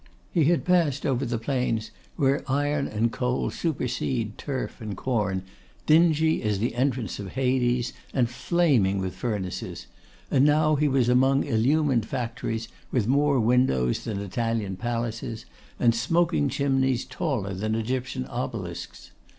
He had passed over the plains where iron and coal supersede turf and corn, dingy as the entrance of Hades, and flaming with furnaces; and now he was among illumined factories with more windows than Italian palaces, and smoking chimneys taller than Egyptian obelisks.